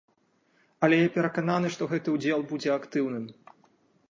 Але я перакананы, што гэты ўдзел будзе актыўным.